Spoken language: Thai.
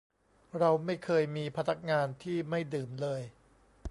เราไม่เคยมีพนักงานที่ไม่ดื่มเลย